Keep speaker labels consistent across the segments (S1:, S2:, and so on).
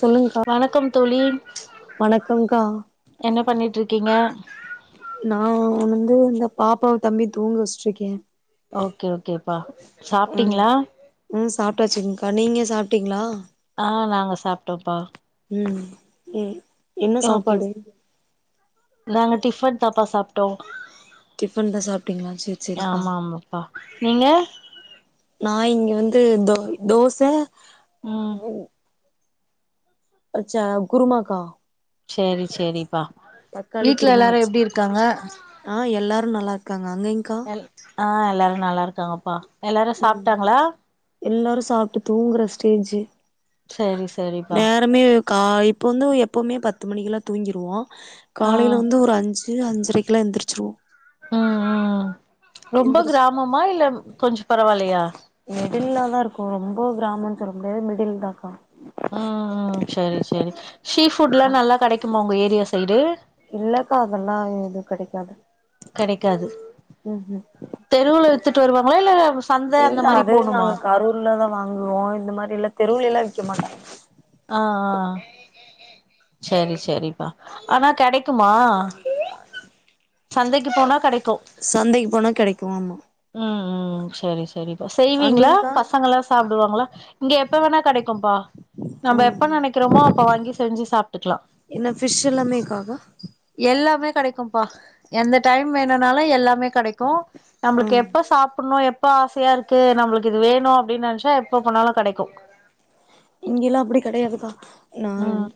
S1: சொல்லுங்க்கா
S2: வணக்கம் தோழி
S1: வணக்கம்க்கா
S2: என்ன பண்ணிட் இருக்கீங்க
S1: நானு வந்து இந்த பாப்பாவ தம்பியு தூங்க வச்சிட்டுருக்கே
S2: ஓகே ஓகே ஓகேப்பா
S1: ம்
S2: சாப்ட்டீங்ளா
S1: ம் சாப்டாச்சுங்க்கா நீங்க சாப்ட்டீங்ளா
S2: ஆ நாங்க சாப்டோப்பா
S1: ம் ம் என்ன
S2: ஓகே
S1: சாப்பாடு
S2: நாங்க டிஃபன் தாப்பா சாப்ட்டோ
S1: டிஃபன் தா சாப்ட்டீங்ளா சேர் சேரிக்கா
S2: ஆமா ஆமாப்பா நீங்க
S1: நா இங்க வந்து தோ தோச
S2: ம்
S1: அரச்சா குருமாக்கா
S2: சேரி சேரிப்பா
S1: தக்காளி
S2: வீட்ல
S1: குருமா
S2: எல்லாரு
S1: வச்சே
S2: எப்டி இருக்காங்க
S1: ஆ எல்லாரு நல்லா இருக்காங்க அங்கிங்க்கா
S2: ஆ எல்லாரு நல்லா இருக்காங்கப்பா எல்லாரு
S1: ம்
S2: சாப்ட்டாங்களா
S1: எல்லாரு சாப்ட்டு தூங்குற ஸ்டேஜு
S2: செரி செரிப்பா
S1: நேரமே கா இப்போ வந்து எப்பவுமே பத்து மணிக்கெல்லா தூங்கிடுவோ
S2: ஆ
S1: காலையில வந்து ஒரு அஞ்சு இல்ல அஞ்சரைக்குல்லா எந்திரிச்சிருவோ
S2: ம் ம் ரொம்ப
S1: எந்திரிச்சி
S2: கிராமமா இல்ல கொஞ்சோ பரவாயில்லையா
S1: மிடில்லாதா இருக்கு ரொம்ப கிராமம் சொல்ல முடியாது மிடில் தாக்கா
S2: ம் ம் செரி செரி ஷீஃபுட்ல்லா நல்லா கெடைக்குமா உங்க ஏரியா சைடு
S1: இல்லக்கா அதெல்லா இங்க கெடைக்காது
S2: கெடைக்காது
S1: ம் ம்
S2: தெருவுல வித்துட்டு வருவாங்களா இல்ல சந்து அந்த மாதிரி போணுமா
S1: ஃபுல்லா தா வாங்குவோ இந்த மாதிரியெல்லா தெருவுலிலா விக்க மாட்டாங்க
S2: ஆ ஆ செரி செரிப்பா ஆனா கெடைக்குமா
S1: [unintelligible]
S2: சந்தைக்கு போனா கெடைக்கு
S1: சந்தைக்கு போனா கெடைக்கு ஆமா
S2: ம் ம் செரி செரி செய்வீங்களா
S1: அங்கேங்க்கா
S2: பசங்க எல்லா சாப்டுவாங்களா இங்க எப்ப வேணா கெடைக்கும்பா நம்ம
S1: ம்
S2: எப்ப
S1: ம்
S2: நெனைக்கிறோமோ அப்ப வாங்கி செஞ்சு சாப்ட்டுக்குலா
S1: என்ன ஃபிஷ் எல்லாமேக்கா
S2: எல்லாமே கெடைக்கும்பா எந்த டைம் வேணும்னாலு எல்லாமே கெடைக்கு
S1: ஆ
S2: நம்மளுக்கு எப் எப்ப சாப்பின்ணு எப்ப ஆசையா இருக்கு நம்மளுக்கு இது வேணு அப்டின்னு நெனைச்சா எப்ப போணாலு கெடைக்கு
S1: இங்கில்லா அப்டி கெடையாதுக்கா நா
S2: ம்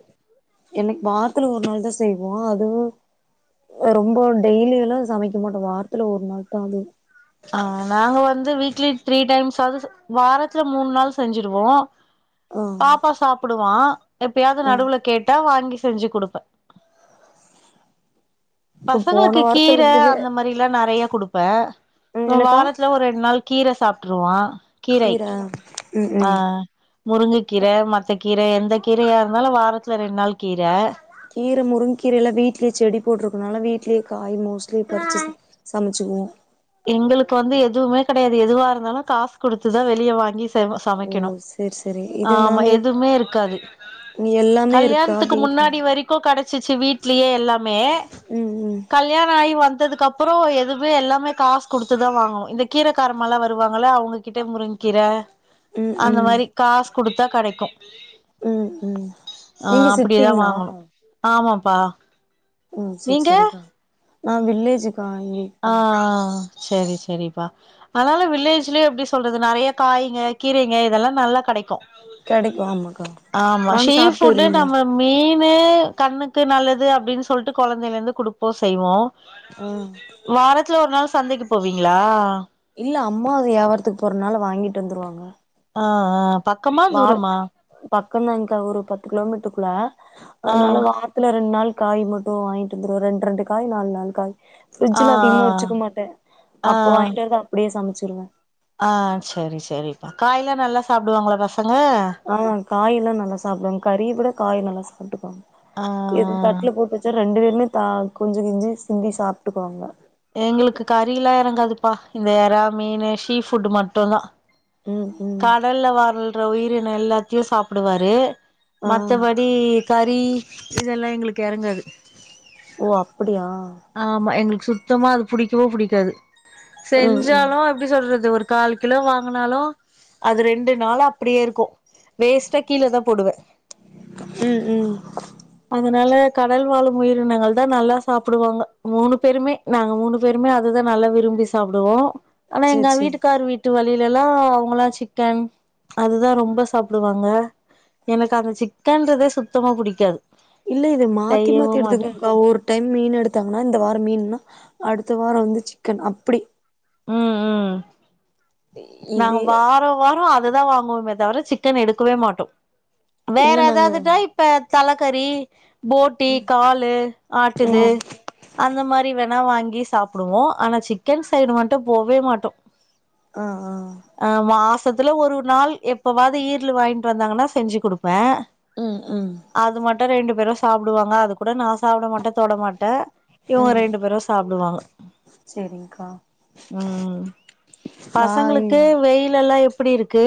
S1: எனக்கு வாரத்துல ஒரு நாள் தா செய்வோ அதுவு ரொம்ப டெய்லியுல்லா சமைக்க மாட்டோ வாரத்துல ஒரு நாள் தா அது
S2: ஆ நாங்க வந்து வீக்லி த்ரீ டைம்ஸ் சாவது வாரத்துல மூண் நாள் செஞ்சிருவோ
S1: ஆ
S2: பாப்பா சாப்பிடுவா எப்பயாவுது
S1: ஆ
S2: நடுவுல கேட்டா வாங்கி செஞ்சு குடுப்பே
S1: இப்ப
S2: பசங்களுக்கு
S1: போன வாரத்துல
S2: கீர
S1: இருந்துமே
S2: அந்த மாதிரில்லா நெறைய குடுப்பே
S1: ம் என்னக்கா
S2: வாரத்துல ஒரு ரெண்டு நாள் கீர சாப்பிட்டுருவா கீரை
S1: கீர ம்
S2: ஆ
S1: ம்
S2: முருங்கக்கீர மத்த கீர எந்த கீரையா இருந்தாலு வாரத்துல ரெண்டு நாள் கீர
S1: கீர முருங் கீர எல்லா வீட்லே செடி போட்ருக்கனால வீட்லே காய் மோஸ்ட்லி பறுச்சு சமச்சிக்குவோ
S2: எங்களுக்கு வந்து எதுவுமே கெடையாது எதுவா இருந்தாலு காஸ் குடுத்துதா வெளிய வாங்கி செம
S1: ஓ
S2: சமைக்கணு
S1: சேரி சேரி இது
S2: ஆமா
S1: நாங்க
S2: எதுவுமே இருக்காது
S1: இங்க எல்லாமே இருக்கா
S2: கல்யாணத்துக்கு
S1: வீட்ல
S2: முன்னாடி வரைக் கு கெடைச்சிச்சு வீடலயே எல்லாமே
S1: ம் ம்
S2: கல்யாணொ ஆகி வந்ததுக் அப் ப்பறோ எதுவுமே எல்லாமே காஸ் குடுத்துதா வாங்கணு இந்த கீர காரம்மாலா வருவாங்கள அவுங்ககிட்ட முருங்க்கீர அந்த
S1: ம் ம்
S2: மாரி காஸ் குடுத்தா கெடைக்கு
S1: ம் ம்
S2: ஆ
S1: நீங்க
S2: அப்படியதா
S1: சிட்டிங்ளா
S2: வாங்கணு ஆமாப்பா
S1: ம் செரி செரிக்கா
S2: நீங்க
S1: நா வில்லேஜு
S2: ஆ சேரி சேரிப்பா அதனால வில்லேஜ்லயே எப்டி சொல்றது நெறைய காய்ங்கெ கீரைங்கெ இதெல்லா நல்லா கெடைக்கு
S1: கெடைக்கு ஆமாக்கா
S2: ஆமா
S1: வாங்
S2: ஷி
S1: சாப்ட்டு
S2: ஃபுட்டு
S1: வருவீங்க
S2: நம்ம மீனு கண்ணுக்கு நல்லது அப்டின்னு சொல்ட்டு கொழந்தைல இருந்து குடுப்போ செய்வோ
S1: அ
S2: வாரத்துல ஒரு நாள் சந்தைக்கு போவீங்ளா
S1: இல்ல அம்மாது வியாபாரத்துக்கு போறனால வாங்கிட்டு வந்துருவாங்க
S2: அ அ பக்கமா தூரமா
S1: பக்கந்தாங்க்கா ஒரு பத்து கிலோமீட்ருக்குள
S2: ஆ
S1: அதுனால வா ரத்ல ரெண்டு நாள் காய் மட்டு வாங்கிட்டு வந்துருவோ ரெண்டு ரெண்டு காய் நாலு நால் காய்
S2: ஆ
S1: ஃப்ரிட்ஜ்ல அதிகமா வச்சுக்க மாட்டே
S2: ஆ ஆ
S1: அப்ப வாங்கிட்டு வந்து அப்டியே சமச்சிருவோ
S2: ஆ செரி செரிப்பா காய்ல்லா நல்லா சாப்டுவாங்களா பசங்க
S1: ஆ காய் எல்லாம் நல்லா சாப்டுவாங்க கறிய விட காய் நல்லா
S2: ஆ
S1: சாப்ட்டுப்பாங்க தட்ல போட்டு வச்சா ரெண்டு பேருமே தா கொஞ்சி கிஞ்சி சிந்தி சாப்ட்டுக்குவாங்க
S2: எங்களுக்கு கறில்லா எறங்காதுப்பா இந்த எறா மீனு ஷீ ஃபுட்டு மட்டுந் தா
S1: ம் ம்
S2: கடல்ல வரல்ற உயிரினொ எல்லாத்தையு சாப்டுவாரு
S1: ஆ
S2: மத்த படி படி கறி இதெல்லா எங்களுக்கு எறங்காது
S1: ஓ அப்புடியா
S2: ஆமா எங்களுக்கு சுத்தமா அது புடிக்கவு புடிக்காது
S1: ம் ம்
S2: செஞ்சாலு எப்படி சொல்றது ஒரு கால் கிலோ வாங்குனாலு அது ரெண்டு நாளா அப்டியே இருக்கு வேஸ்ட்டா கீழ தா போடுவே
S1: ம் ம்
S2: அதுனால கடல் வாழ் உயிரினங்கள் தா நல்லா சாப்புடுவாங்க மூனு பேருமே நாங்க மூனு பேருமே அதுதா நல்லா விரும்பி சாப்டுவோ ஆனா
S1: சேரி
S2: எங்க
S1: சேரி
S2: வீட்டுக்காரு வீட்டு வழியிலெல்லா மலா சிக்கன் அதுதா ரொம்ப சாப்டுவாங்க எனக்கு அந்த சிக்கன்றதே சுத்தமா புடிக்காது
S1: இல்ல இது மாத்தி
S2: செய்யவு
S1: மாத்தி
S2: மாட்டே
S1: எடுத்துக்கோங்க்கா ஒரு டைம் மீன் எடுத்தாங்கன்னா இந்த வாரொ மீன்னா அடுத்த வாரொ வந்து சிக்கன் அப்புடி
S2: ம் ம் நாங்க
S1: இது
S2: வாரொ வாரொ அதுதா வாங்குவோ தவர சிக்கன் எடுக்கவே மாட்டோ வேற
S1: இல்ல நாங்க
S2: ஏதாவதுட்டா இப்ப தலக்கறி போட்டி காலு ஆட்டு இது
S1: ம்
S2: அந்த மாரி வேனா வாங்கி சாப்டுவோ ஆனா சிக்கன் சைடு மட்டு மட்டு போவே மாட்டு
S1: ஆ ஆ
S2: அ மாசத்துல ஒரு நாள் எப்பவாவது ஈரலு வாங்கிட்டு வந்தாங்கன்னா செஞ்சு கொடுப்பே
S1: ம்ம் ம்ம்
S2: அது மட்டு ரெண்டு பேரு சாப்பிடுவாங்க அது கூட நா சாப்ட மாட்டே தொட மாட்டே இவங்க ரெண்டு பேரு சாப்பிடுவாங்க
S1: சேரிங்கா
S2: ம் பசங்களுக்கு வெயில எல்லா எப்டி இருக்கு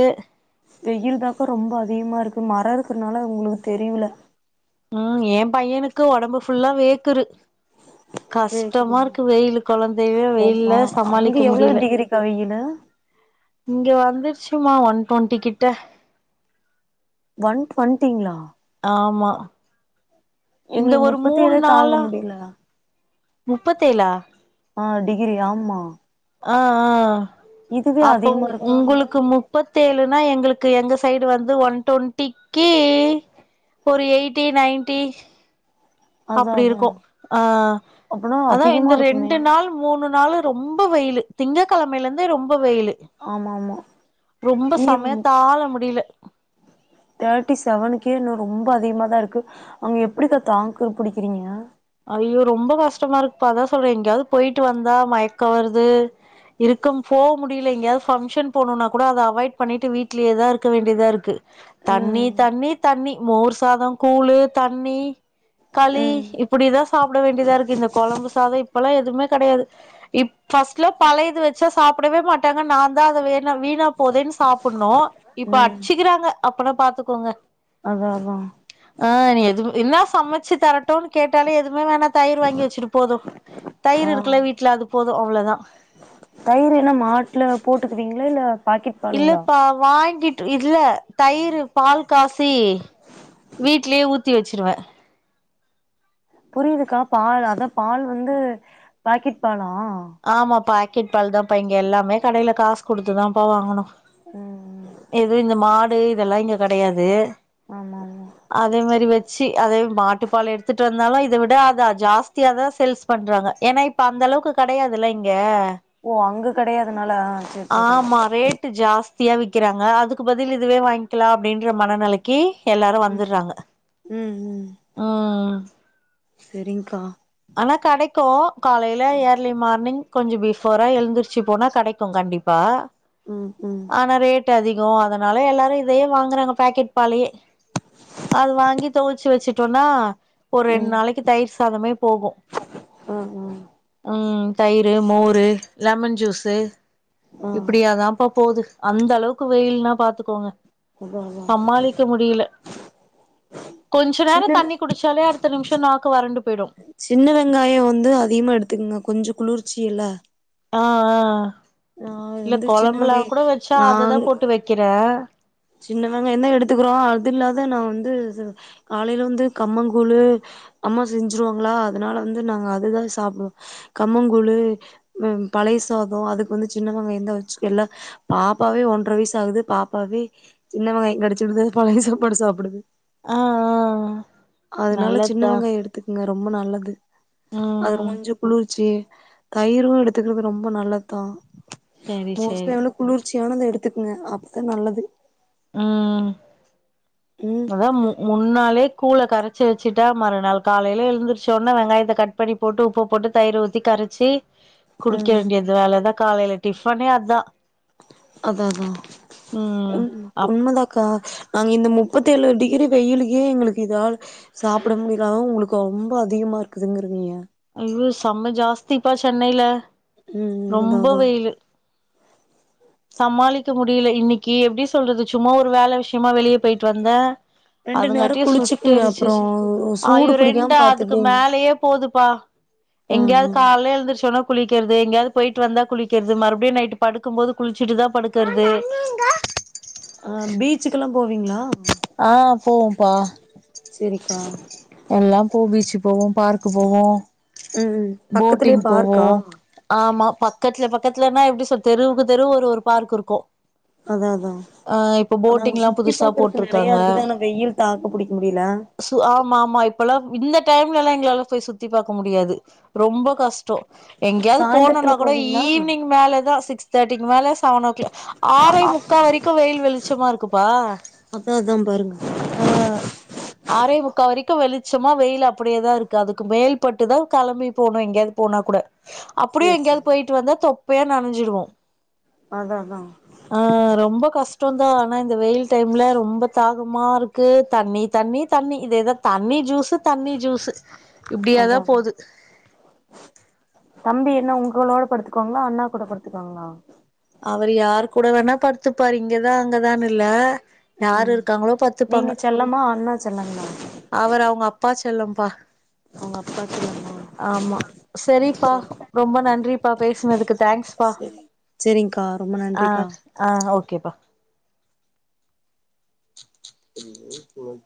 S1: வெயில் தாக்கா ரொம்ப அதிகமா இருக்கு மர இருக்கிறனால உங்களுக்கு தெரியில
S2: ம் எ பையனுக்கு ஒடம்பு ஃபுல்லா வேக்குரு
S1: வேகுது
S2: கஷ்டமா இருக்கு வெயில் குழந்தைவே
S1: ஆமா
S2: வெயில்ல
S1: அங்க
S2: சமாளிக்க
S1: எவ்ளோ
S2: முடில
S1: டிகிரிக்கா வெயிலு
S2: இங்க வந்துருச்சுமா ஒன் டுவெண்ட்டி கிட்ட
S1: ஒன் டுவண்டிங்களா
S2: ஆமா இந்த
S1: எங்களுக்கு
S2: ஒரு மூண்
S1: முப்பத்தேழே தாங்க
S2: நாளா
S1: முடியல
S2: முப்பத்தேலா
S1: ஆ டிகிரி ஆம்மா
S2: ஆ ஆ அ அப்ப உ
S1: அதிகமா இருக்கா அங்க?
S2: உங்குளுக்கு மு முப்பத்தேழுனா எங்களுக்கு எங்க சைடு வந்து ஒன் டவெண்ட்டிக்கு ஒரு எயிட்டி நைன்டி
S1: அதா
S2: அப்டி
S1: அதா
S2: இருக்கு ஆ
S1: அப்பனா
S2: அதா
S1: அதிகமா
S2: இந்த
S1: இருக்குமே
S2: ரெண்டு நாள் மூணு நாள் ரொம்ப வெயிலு திங்க கிழமையிலிருந்தே ரொம்ப வெயிலு
S1: ஆமா ஆமா
S2: ரொம்ப
S1: இங்க
S2: சமயத்தால முடியல
S1: தேர்ட்டி செவனுக்கே இன்னு ரொம்ப அதிகமாக தா இருக்கு அங்கே எப்டிக்கா தாங்க பிடிக்கிறீங்க
S2: ஐயோ ரொம்ப கஷ்டமா இருக்குப்பா அதா சொல்றே எங்கயாவது போயிட்டு வந்தா மயக்க வருது இருக்கம் ஃபோ முடியில எங்கேயாவது பங்க்ஷன் போணுனா கூட அத அவாய்ட் பண்ணிட்டு வீட்லேயேதா இருக்க வேண்டியதா இருக்கு தண்ணி
S1: ம்
S2: தண்ணி தண்ணி மோர் சாதோ கூளு தண்ணி களி
S1: ம்
S2: இப்டிதா சாப்ட வேண்டியதா இருக்கு இந்த குழம்பு சாதோ இப்பெல்லா எதுமே கெடையாது இ ஃபர்ஸ்ட்லா பழைய இது வெச்சா சாப்டவே மாட்டாங்க நா தா அத வேண வீணா போதேன் சாப்புட்ணு இப்ப
S1: ம்
S2: அச்சுக்கிறாங்க அப்பனா பாத்துக்கோங்க
S1: அதா அதா
S2: ஆ நீ எது என்னா சமச்சு தரட்டும் கேட்டாலே எதுவுமே வேணா தயிர் வாங்கி வெச்சுரு போது தயிரு
S1: ஆ
S2: இருக்குல வீட்ல அது போது அவ்ளோதா
S1: தயிர் என்ன மாட்ல போட்டுக்குவீங்களா இல்ல பாக்கெட் பாலுங்களா
S2: இல்லப்பா வாங்கிட் இத்ல தயிர் பால் காசி வீட்லயே ஊத்தி வெச்சிருவே
S1: புரியுதுக்கா பால் அதா பால் வந்து பாக்கெட் பாலா
S2: ஆமா பாக்கெட் பால் தாப்பா இங்க எல்லாமே கடையில காசு குடுத்துதாப்பா வாங்கணு
S1: ம்
S2: எதும் இந்த மாடு இதெல்லா இங்க கெடையாது
S1: ஆமா ஆமா
S2: அதே மேரி வெச் ச்சு அதே மாட்டுப்பால் எடுத்துட்டு வந்தாலு இத விட அத ஜாஸ்தியா தா சேல்ஸ் பண்றாங்க ஏனா இப்ப அந்த அளவுக்கு கெடையாதுல்ல இங்க
S1: ஓ அங்க கெடையாதுனால அ சேர் சேரி
S2: ஆமா ரேட்டு ஜாஸ்தியா விக்கறாங்க அதுக் பதில் இதுவே வாங்கிக்கலா அப்டின்ற மனநிலைக் கே எல்லாரு
S1: ம்
S2: வந்துட்றாங்க
S1: ம்
S2: ம்
S1: செரிங்கா
S2: ஆனா கெடைக்கு காலேல ஏர்லி மார்னிங் கொஞ்சோ பிஃபோரா எழுந்திரிச்சு போனா கெடைக்கு கண்டிப் பா
S1: ம் ம்
S2: ஆனா ரேட் அதிகோ அதனால எல்லாரு இதையே வாங்குறாங்க பாக்கெட் பாலையே அது வாங்கி தொவச்சு வச்சுட்டோனா ஒரு ரெண்டு
S1: ம்
S2: நாளைக்கி தயிர் சாதமே போகு
S1: ஆ
S2: ம் தயிர் மோரு லெமன் ஜூஸு
S1: ஆ ஆ
S2: இப்டியா தாப்பா போது அந்த அளவுக்கு வெயில்ன்னா பாத்துக்கோங்க
S1: அதா அதா
S2: சமாளிக்க முடியல கொஞ்ச நேரோ
S1: சின்ன
S2: தண்ணி குடிச்சாலே அடுத்த நிமிஷோ நாக்கு வறண்டு போயிடு
S1: சின்ன வெங்காயோ வந்து அதிகமாக எடுத்துக்குங்க கொஞ்சோ குளிர்ச்சி இல
S2: ஆ ஆ இல்ல
S1: வந்து சின்ன
S2: கொழம்புலா
S1: வெங்காய
S2: கூட வச்சா அததா போட்டு வக்கிறே
S1: சின்னவெங்காய தா எடுத்துக்கிறோ அது இல்லாத நா வந்து காலேல வந்து கம்மங்கூழு அம்மா செஞ்சிருவாங்களா அதனால வந்து நாங்க அதுதா சாப்பிடுவோ கம்மங்குழு ம் பழைய சாதோ அது வந்து சின்ன வெங்காய தா வச்சுக்க எல்லா பாப்பாவே ஒன்றரை வயசு ஆகுது பாப்பாவே சின்னவெங்காய கடிச்சுட்டு தா பழைய சாப்பாடு சாப்பிடுது
S2: ஆ ஆ
S1: அதனால சின்ன
S2: நல்லதுதா
S1: வெங்காய எடுத்துக்குங்க ரொம்ப நல்லது அது
S2: ம்
S1: கொஞ்சோ குளிர்ச்சி தயிரு எடுத்துக்கிறது ரொம்ப நல்லதுதா
S2: செரி
S1: மோஸ்ட்லி
S2: செரி
S1: எவ்ளோ குளிர்ச்சியானத எடுத்துக்கங்க அப்பதா நல்லது
S2: ம்
S1: ம்
S2: அதா மு முன்னாலே கூழ கரச்சு வச்சுட்டா மறுநாள் காலேல எழுந்தருச்சோன வெங்காயத்த கட் பண்ணி போட்டு உப்பு போட்டு தயிர ஊத்தி கரச்சி குடிக்க வேண்டியதுதா அதுலதா காலேல டிஃபனே அதா
S1: அதா அதா
S2: ம்
S1: உன்
S2: அப்
S1: உண்மதாக்கா நாங்க இந்த முப்பத்தெழு டிகிரி வெயிலுகே எங்களுக்கு இதால் சாப்ட முடில ஆ உங்களுக்கு ரொம்ப அதிகமா இருக்குதுங்கிறீங்க
S2: ஐயோ செம்ம ஜாஸ்திப்பா சென்னைல
S1: ம் ம் அதா
S2: ரொம்ப
S1: அதா
S2: வெயிலு சமாளிக்க முடியல இன்னைக்கி எப்டி சொல்றது சும்மா ஒரு வேல விஷயமா வெளிய போயிட்டு வந்தே
S1: ரெண்டு நேரோ
S2: அதுங்காட்டியு
S1: குளிச்சுக்குங்க அப்றோ
S2: சுட்டெருச்சுச்சு
S1: சூடு
S2: ஐயோ
S1: புடிக்காம
S2: ரெண்டா அதுக்கு
S1: பாத்துட்டீங்க
S2: மேலயே போதுப்பா
S1: ம்
S2: எங்கேயாது
S1: ம்
S2: கால்ல எழுந்ருச்சோன குளிக்கிறது எங்கேயாது போயிட்டு வந்தா குளிக்கிறது மறுபடியு நைட் படுக்கு போது குளிச்சுட்டு தா படுக்குறது
S1: ஆ பீச்சுகெல்லா போவீங்களா
S2: ஆ போவோபா
S1: சேரிக்கா
S2: எல்லா போவோ பீச்சு போவோ பார்க்கு போவோம
S1: ம் ம் பக்கத்துலயே
S2: போட்டிங் போவோ
S1: பார்க்கா
S2: ஆமா பக்கத்துல பக்கத்துலனா எப்டி சொல்து தெருவுக்கு தெருவு ஒரு ஒரு பார்க் இருக்கு
S1: அதா அதா
S2: ஆ இப்ப
S1: நாங்க
S2: போட்டிங் எல்லா
S1: சுத்தி
S2: புதுசா போட்
S1: பாக்குறக்கு நெறைய இருக்குது ஆனா வெயில் தாக்கு புடிக்க முடில
S2: சு ஆமா ஆமா இப்ப ல்லா இந்த டைம்ல ல்லா எங்களால போய் சுத்தி பாக்க முடியாது ரொம்ப கஷ் டோ எங்கேயாவது போனுனா
S1: சாய்ந்தரத்துல
S2: கூட
S1: போவீங்களா
S2: ஈவினிங் மேலதா சிக்ஸ் தேர்ட்டிக்கு மேல செவன் ஓ கிளாக் ஆறே முக்கா வரைக்கு வெயில் வெளிச்சமா இருக்குப்பா
S1: அதா அதா பாருங்க
S2: ஆ ஆறேமுக்கா வரைக்கு வெளிச்சமா வெயில் அப்புடியேதா இருக்கு அதுக்கு மேல்பட்டுதான் கெளம்பி போனு எங்யாது போனா கூட அப்புடியு
S1: சேரி சேரி
S2: எங்யாது போய்ட்டு வந்தா தொப்பையா நனஞ்சிடுவோ
S1: அதா அதா
S2: ஆ ரொம்ப கஷ்டோந்தா ஆனா இந்த வெயில் டைம்ல ரொம்ப தாகமா இருக்கு தண்ணி தண்ணி தண்ணி இதேதா தண்ணி ஜூஸு தண்ணி ஜூஸு இப்டியேதா
S1: அதா அதா
S2: போது
S1: தம்பி என்ன உங்களோட படுத்துக்குவாங்ளா அண்ணா கூட படுத்துக்குவாங்ளா
S2: அவரு யார் கூட வேணா படுத்துப்பாரு இங்கதா அங்கதான் இல்ல யாரு
S1: ம்
S2: இருக்காங்ளோ
S1: நீங்க
S2: பட்த்துப்பாங்க
S1: செல்லமா அண்ணா செல்லங்களா
S2: அவரு அவ்ங்க அப்பா செல்லம்ப்பா
S1: அவ்ங்க அப்பா செல்லம்மா
S2: ஆமா செரிப்பா ரொம்ப நன்றிப்பா பேசுனதுக்கு தேங்க்ஸ் பா
S1: ஏன்க்கா ரொம்ப நன்றிக்கா
S2: ஆ ஓகேப்பா
S1: அது நேத்து வை